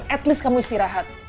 setidaknya kamu istirahat